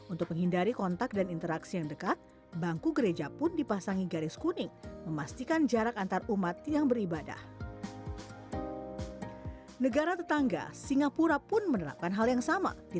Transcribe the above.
untuk menghindari kontak dan interaksi yang dekat bangku gereja pun dipasangi garis jari